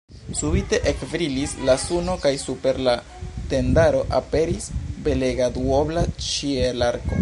Subite ekbrilis la suno kaj super la tendaro aperis belega duobla ĉielarko.